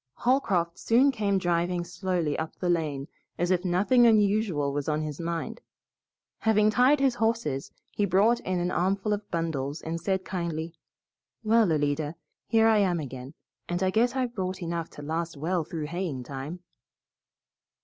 Holcroft soon came driving slowly up the lane as if nothing unusual was on his mind. Having tied his horses, he brought in an armful of bundles and said kindly, "Well, Alida, here I am again, and I guess I've brought enough to last well through haying time."